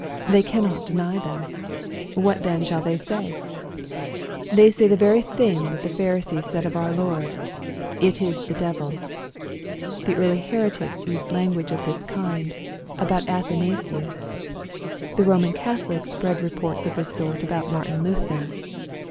They cannot deny them. What then shall they say ? They say the very thing that the Pharisees said of our Lord, ^ It is the devil.'' The early heretics used language of this kind about Athanasius. The Boman Catholics spread reports of this sort about Martin Luther.